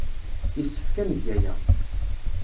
Yessefk ad neg aya.